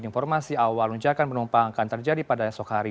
informasi awal lunjakan penumpang akan terjadi pada esok hari